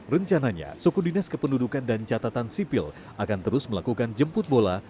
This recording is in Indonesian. rencananya suku dinas kependudukan dan catatan sipil akan terus melakukan jemput bola